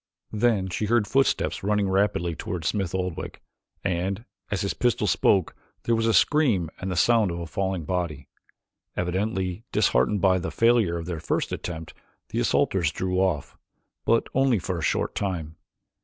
Then she heard footsteps running rapidly toward Smith Oldwick and, as his pistol spoke, there was a scream and the sound of a falling body. Evidently disheartened by the failure of their first attempt the assaulters drew off, but only for a short time.